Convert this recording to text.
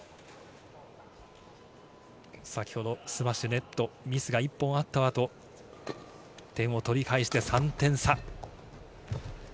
先ほどスマッシュ、ネットミスが一本あった後、点を取り返して３点差。